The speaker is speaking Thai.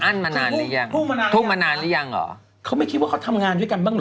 มานานหรือยังทุ่มมานานหรือยังเหรอเขาไม่คิดว่าเขาทำงานด้วยกันบ้างเหรอ